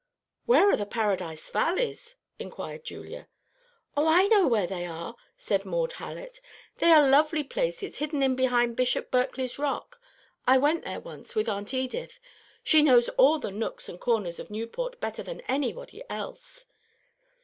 "Where are the Paradise Valleys?" inquired Julia. "Oh, I know what they are," said Maud Hallett. "They are lovely places hidden in behind Bishop Berkeley's Rock. I went there once with Aunt Edith. She knows all the nooks and corners of Newport better than anybody else."